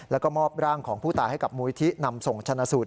แล้วก็มอบร่างของผู้ตายให้กับมูลิธินำส่งชนะสูตร